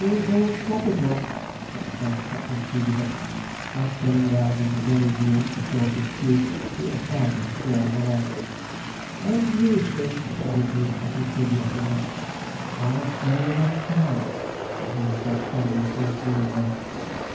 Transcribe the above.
'Here's old Coppertops!' exclaimed Captain Seedeybuck, as, turning round in the billiard room to chalk his cue, he espied them crawling along. 'And Lucy!' added he as he stood watching them. 'How slowly they come!' observed Bob Spangles, going to the window.